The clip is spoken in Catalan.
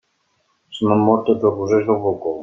Se m'han mort tots els rosers del balcó.